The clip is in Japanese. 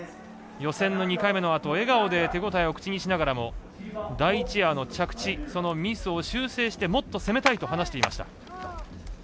予選の２回目のあと笑顔で手応えを口にしながらも第１エアの着地そのミスを修正してもっと攻めたいと話していました。